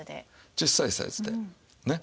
小さいサイズでね。